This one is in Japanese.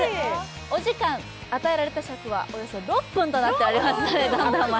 お時間、与えられた尺は６分となっております。